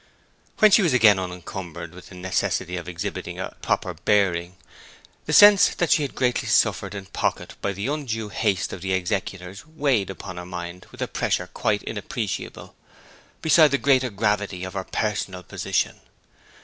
When she was again unencumbered with the necessity of exhibiting a proper bearing, the sense that she had greatly suffered in pocket by the undue haste of the executors weighed upon her mind with a pressure quite inappreciable beside the greater gravity of her personal position.